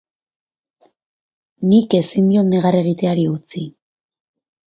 Nik ezin diot negar egiteari utzi.